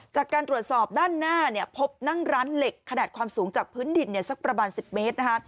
จากการตรวจสอบด้านหน้าพบนั่งร้านเหล็กขนาดความสูงจากพื้นดินสักประมาณ๑๐เมตรนะคะ